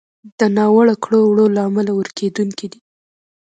د ناوړو کړو وړو له امله ورکېدونکی دی.